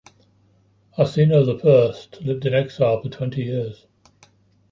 Arsinoe the First lived in exile for twenty years.